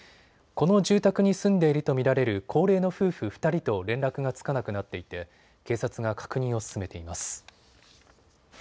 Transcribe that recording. この住宅に住んでいると見られる高齢の夫婦２人と連絡がつかなくなっていて警察が確認を進めています。